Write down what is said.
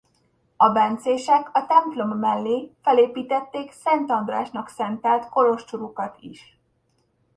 A bencések a templom mellé felépítették Szent Andrásnak szentelt kolostorukat is.